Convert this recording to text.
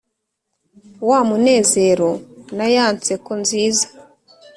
Wa munezero na ya nseko nziza